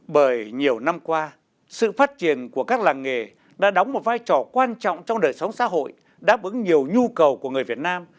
bởi nhiều năm qua sự phát triển của các làng nghề đã đóng một vai trò quan trọng trong đời sống xã hội đáp ứng nhiều nhu cầu của người việt nam